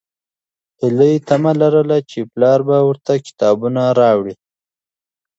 هیلې تمه لرله چې پلار به ورته کتابونه راوړي.